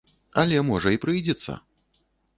Але, можа, і прыйдзецца!